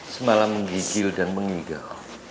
semalam mengigil dan mengigau